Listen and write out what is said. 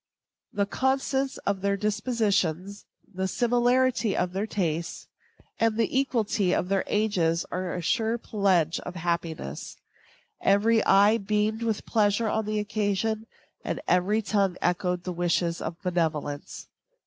The consonance of their dispositions, the similarity of their tastes, and the equality of their ages are a sure pledge of happiness. Every eye beamed with pleasure on the occasion, and every tongue echoed the wishes of benevolence.